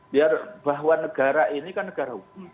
biar bahwa negara ini kan negara hukum